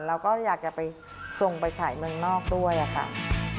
เราก็อยากจะไปส่งไปขายเมืองนอกด้วยค่ะ